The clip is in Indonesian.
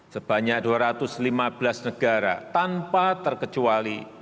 sebanyak dua ratus lima belas negara tanpa terkecuali